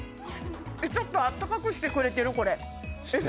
ちょっとあったかくしてくれてるこれ？